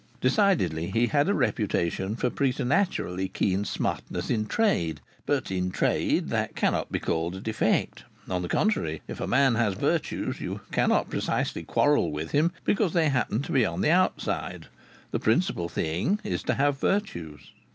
Decidedly he had a reputation for preternaturally keen smartness in trade, but in trade that cannot be called a defect; on the contrary, if a man has virtues, you cannot precisely quarrel with him because they happen to be on the outside; the principal thing is to have virtues.